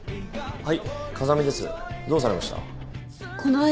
はい。